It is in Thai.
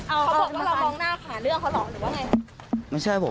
อ๋อเป็นที่มองหน้าก็คือเป็นเพื่อนอีกคนหนึ่ง